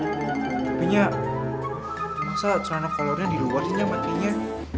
tapi nya masa celana colornya di luar sih nya